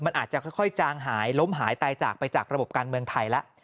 มันอาจจะค่อยจางหายล้มหายตายจากไปจากระบบการเมืองไทยแล้ว